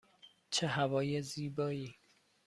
چه هوای زیبایی!